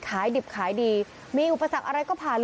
ขายดิบขายดีมีอุปสรรคอะไรผ่านลงไปดีหมดเลย